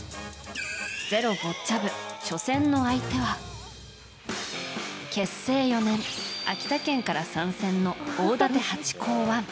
「ｚｅｒｏ」ボッチャ部初戦の相手は結成４年、秋田県から参戦の大館ハチ公１。